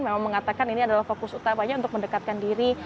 memang mengatakan ini adalah fokus utamanya untuk mendekatkan diri